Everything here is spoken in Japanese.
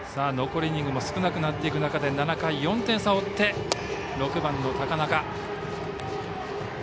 残りイニングも少なくなっていく中で７回、４点差を追って６番の高中。